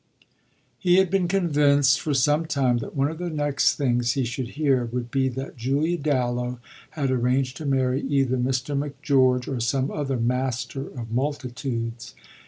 He had been convinced for some time that one of the next things he should hear would be that Julia Dallow had arranged to marry either Mr. Macgeorge or some other master of multitudes.